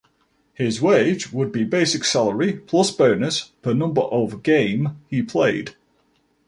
His wage would be basic salary plus bonus per number of game he played.